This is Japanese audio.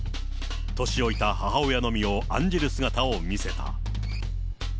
年老いた母親の身を案じる姿を見せた。